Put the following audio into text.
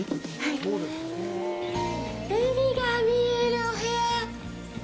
海が見えるお部屋！